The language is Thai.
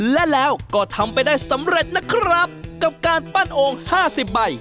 และแล้วก็ทำไปได้สำเร็จนะครับกับการปั้นโอ่ง๕๐ใบ